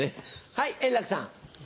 はい円楽さん。